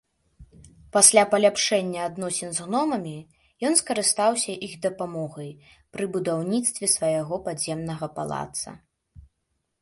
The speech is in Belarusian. Пасля паляпшэння адносін з гномамі ён скарыстаўся іх дапамогай пры будаўніцтве свайго падземнага палаца.